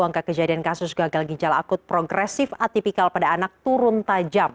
angka kejadian kasus gagal ginjal akut progresif atipikal pada anak turun tajam